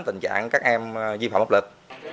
tình trạng các em vi phạm pháp luật